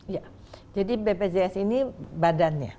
ya jadi bpjs ini badannya